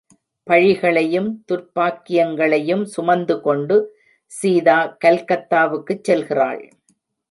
பழிகளையும் துர்ப்பாக்கியங்களையும் சுமந்து கொண்டு சீதா கல்கத்தாவுக்குச் செல்கிறாள்.